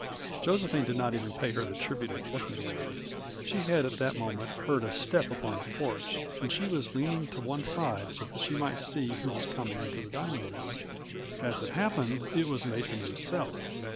Josephine did not even pay her the tribute of looking at her; she had at that moment heard a step upon the porch, and she was leaning to one side so that she might see who was coming into the dining room. As it happened, it was Mason himself.